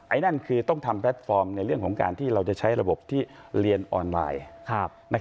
นั่นคือต้องทำแพลตฟอร์มในเรื่องของการที่เราจะใช้ระบบที่เรียนออนไลน์